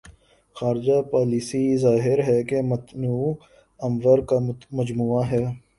خارجہ پالیسی ظاہر ہے کہ متنوع امور کا مجموعہ ہے۔